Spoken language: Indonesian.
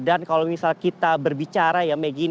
dan kalau misal kita berbicara ya megi